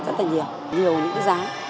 rất là nhiều nhiều những cái giá